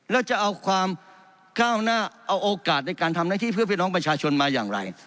แล้วจะเอาความก้าวหน้าเอาโอกาสในการทำหน้าที่เพื่อพี่น้องประชาชนมาอย่างไร